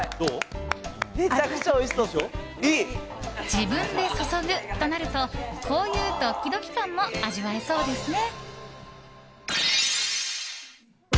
自分で注ぐとなるとこういうドキドキ感も味わえそうですね。